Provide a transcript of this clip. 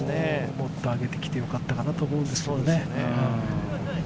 もっと上げたほうがよかったかなと思いますけどね。